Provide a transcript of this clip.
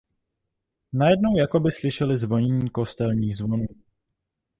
Najednou jakoby slyšeli zvonění kostelních zvonů.